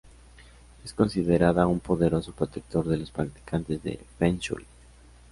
Es considerada un poderoso protector de los practicantes de Feng Shui.